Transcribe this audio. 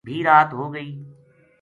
بھی رات ہو گئی